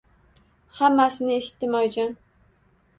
Hammasini eshitdim, oyijon